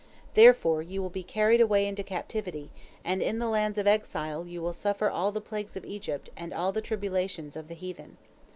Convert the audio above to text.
Therefore you will be carried away into captivity, and in the lands of exile you will suffer all the plagues of Egypt and all the tribulations of the heathen.